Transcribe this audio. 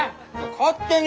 勝手に！